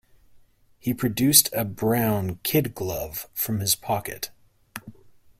He produced a brown kid glove from his pocket.